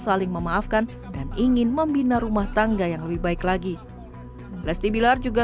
saling memaafkan dan ingin membina rumah tangga yang lebih baik lagi lesti bilar juga